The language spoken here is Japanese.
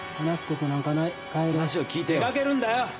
出かけるんだよ。